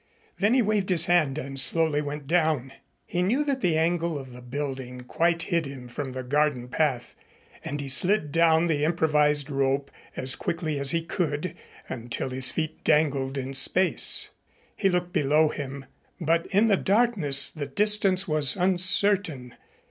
Then he waved his hand and slowly went down. He knew that the angle of the building quite hid him from the garden path, and he slid down the improvised rope as quickly as he could until his feet dangled in space. He looked below him, but in the darkness the distance was uncertain.